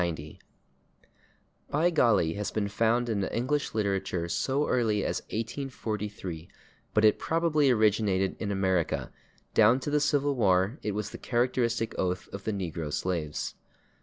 /By golly/ has been found in English literature so early as 1843, but it probably originated in America; down to the Civil War it was the characteristic oath of the negro slaves.